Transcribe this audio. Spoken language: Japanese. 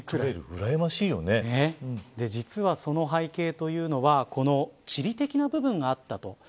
実は、その背景というのは地理的な部分があったと。